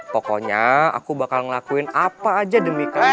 pokoknya aku bakal ngelakuin apa aja demi kalian